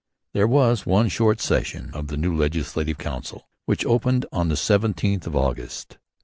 There was one short session of the new Legislative Council, which opened on the 17th of August.